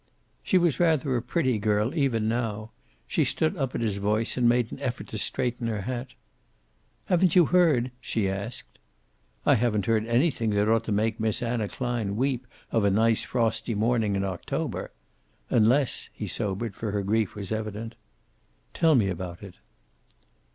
She was rather a pretty girl, even now. She stood up at his voice and made an effort to straighten her hat. "Haven't you heard?" she asked. "I haven't heard anything that ought to make Miss Anna Klein weep of a nice, frosty morning in October. Unless " he sobered, for her grief was evident. "Tell me about it."